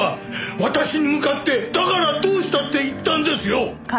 私に向かってだからどうしたって言ったんですよ！